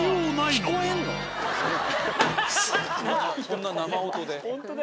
こんな生音で。